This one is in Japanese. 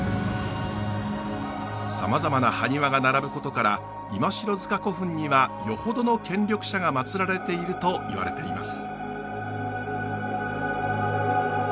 さまざまなハニワが並ぶことから今城塚古墳にはよほどの権力者が祭られていると言われています。